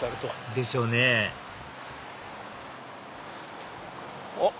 でしょうねおっ。